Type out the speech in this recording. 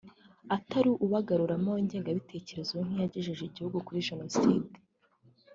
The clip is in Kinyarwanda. atari ububagaruramo ingengabitekerezo nk’iyagejeje igihugu kuri Jenoside